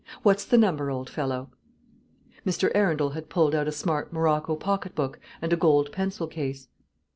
What's the number, old fellow?" Mr. Arundel had pulled out a smart morocco pocket book and a gold pencil case.